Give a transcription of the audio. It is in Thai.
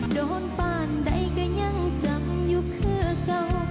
โดนปานใดกันยังจำอยู่เคลื่อนเก่า